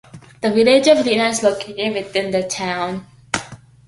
The Village of Lena is located within the town.